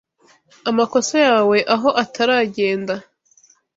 Amakosa yawe, aho ataragenda